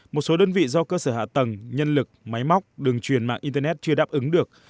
một số đơn vị do cơ sở hạ tầng nhân lực máy móc đường truyền mạng internet chưa đáp ứng được